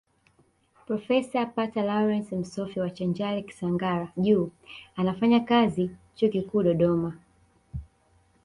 Profesa Pater Lawrance Msoffe wa Chanjale Kisangara juu anafanya kazi Chuo Kikuu Dodoma